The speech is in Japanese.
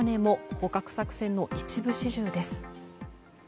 捕獲作戦の一部始終です。